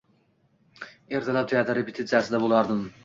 Ertalab teatr repetitsiyasida bo‘lardim.